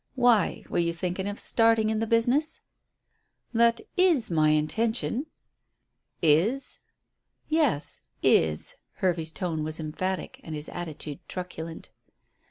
Why? Were you thinking of starting in the business?" "That is my intention." "Is?" "Yes, is." Hervey's tone was emphatic, and his attitude truculent.